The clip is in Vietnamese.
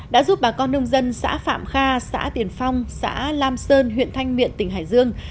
đã giúp bà con nông dân xã phạm kha xã tiền phong xã lam sơn huyện thanh miện tỉnh hải dương